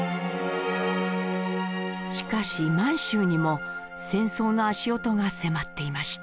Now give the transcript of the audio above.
しかし満州にも戦争の足音が迫っていました。